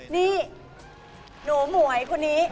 นี่หนูหมวยคนนี้